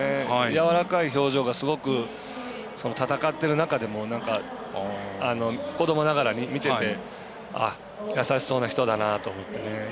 やわらかい表情がすごく戦ってる中でも子どもながらに見ててやさしそうな人だなと思ってね。